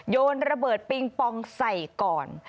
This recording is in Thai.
โยนระเบิดปิงปองใส่ก่อน